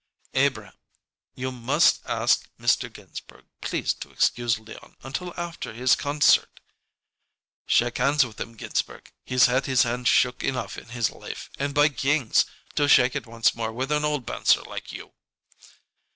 "Abrahm, you must ask Mr. Ginsberg please to excuse Leon until after his concert " "Shake hands with him, Ginsberg. He's had his hand shook enough in his life, and by kings, to shake it once more with an old bouncer like you!"